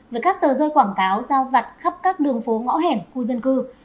với các tờ rơi quảng cáo giao vặt khắp các đường phố ngõ hẻm khu dân cư